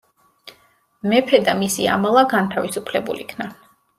მეფე და მისი ამალა განთავისუფლებულ იქნა.